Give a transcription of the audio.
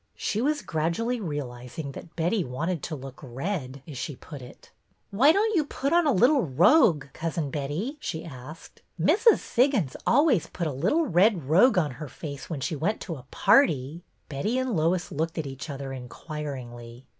She was grad ually realizing that Betty wanted to look red," as she put it. Why don't you put on a little rogue. Cousin Betty?" she asked. ''Mrs. Siggins always put a little red rogue on her face when she went to a party." Betty and Lois looked at each other inquir ingly.